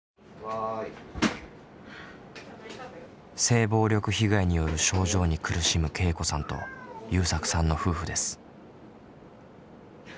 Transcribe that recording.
性暴力被害による症状に苦しむけいこさんとゆうさくさんの夫婦です。